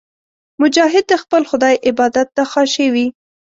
مجاهد د خپل خدای عبادت ته خاشع وي.